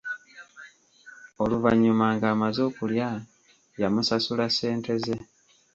Oluvannyuma ng'amaze okulya yamusasula ssente ze.